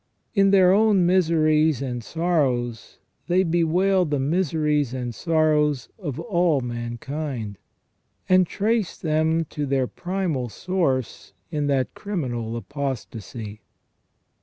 In their own miseries and sorrows they bewail the miseries and sorrows of all mankind, and trace them to their primal source in that criminal apostasy.